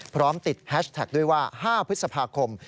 พร้อมติดแฮชแท็กด้วยว่า๕พฤษภาคม